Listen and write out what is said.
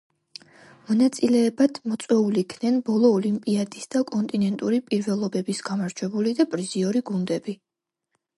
მონაწილეებად მოწვეულ იქნენ ბოლო ოლიმპიადის და კონტინენტური პირველობების გამარჯვებული და პრიზიორი გუნდები.